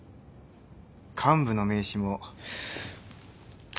幹部の名刺も。